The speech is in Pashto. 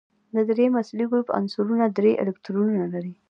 د دریم اصلي ګروپ عنصرونه درې الکترونونه لري.